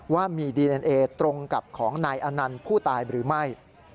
ว่ามีดีเอ็นเอตรงกับของนายอนันต์ผู้ตายหรือไม่